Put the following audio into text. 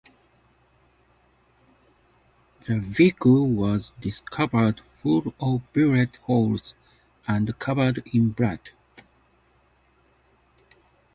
The vehicle was discovered full of bullet holes and covered in blood.